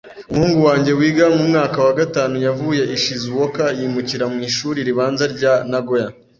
Umuhungu wanjye wiga mu mwaka wa gatanu yavuye i Shizuoka yimukira mu ishuri ribanza rya Nagoya.